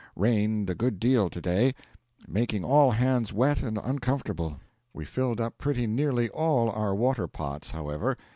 Rained a good deal to day, making all hands wet and uncomfortable; we filled up pretty nearly all our water pots, however.